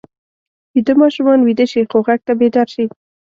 ویده ماشومان ویده شي خو غږ ته بیدار شي